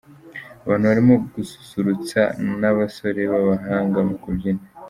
Abantu barimo gususurutsa n'abasore b'abahanga mu kubyina.